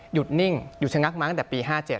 นิ่งหยุดชะงักมาตั้งแต่ปี๕๗